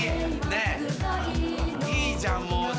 いいじゃんもう。